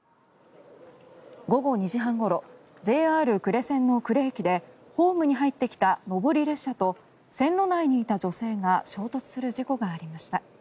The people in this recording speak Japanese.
午後２時半ごろＪＲ呉線の呉駅でホームに入ってきた上り列車と線路内にいた女性が衝突する事故がありました。